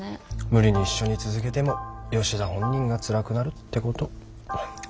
無理に一緒に続けても吉田本人がつらくなるってこと。